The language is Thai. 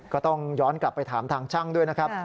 ก็ต้องย้อนกลับไปถามทางช่างด้วยนะครับ